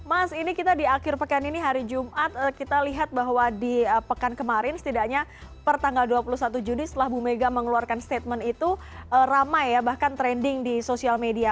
mas ini kita di akhir pekan ini hari jumat kita lihat bahwa di pekan kemarin setidaknya per tanggal dua puluh satu juni setelah bu mega mengeluarkan statement itu ramai ya bahkan trending di sosial media